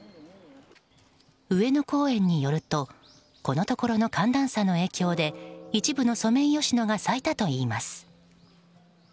上野公園によるとこのところの寒暖差の影響で一部のソメイヨシノが咲いたといいます。